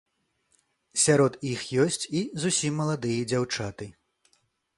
Сярод іх ёсць і зусім маладыя дзяўчаты.